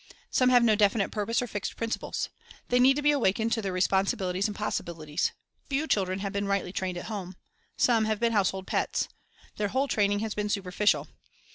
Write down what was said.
Some have no definite purpose or fixed principles. They need to be awakened to their responsibilities and possibilities. Few children have been rightly trained at home. Some have been household pets. Their whole training has been superficial.